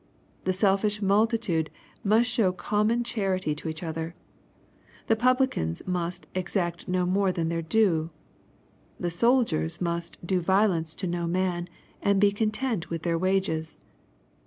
The selfish multitude must show common charity to each other. The publicans must ^^ exact no more than their due." The soldiers must " do violence to no man, and be content with their wages."